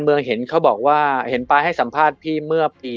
คงโดนขัดขวางค่อนข้างเยอะในการเปลี่ยนแปรง